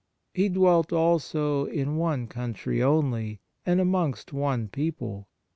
He dwelt also in one country only, and amongst one people.